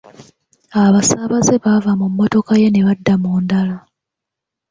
Abasaabaze baava mu mmotoka ye ne badda mu ndala.